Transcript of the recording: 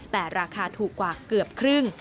แต่ราคาถูกกว่าเกือบครึ่ง